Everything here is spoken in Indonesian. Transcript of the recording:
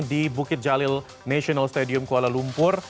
di bukit jalil national stadium kuala lumpur